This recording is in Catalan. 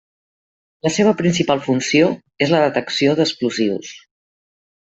La seva principal funció és la detecció d'explosius.